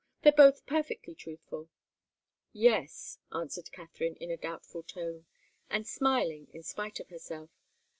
They're both perfectly truthful " "Yes," answered Katharine in a doubtful tone, and smiling in spite of herself.